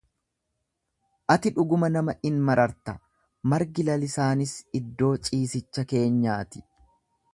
Ati dhuguma nama in mararta, margi lalisaanis iddoo ciisicha keenyaati.